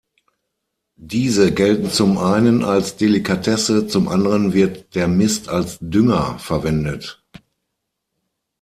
Diese gelten zum einen als Delikatesse, zum anderen wird der Mist als Dünger verwendet.